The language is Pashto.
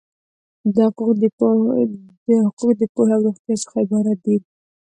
دا حقوق د پوهې او روغتیا څخه عبارت دي.